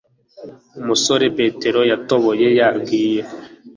umusore petero yatoboye yagiye